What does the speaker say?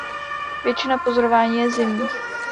Většina pozorování je zimních.